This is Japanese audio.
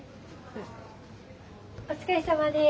お疲れさまです。